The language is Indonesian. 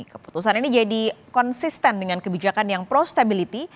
keputusan ini jadi konsisten dengan kebijakan yang prostability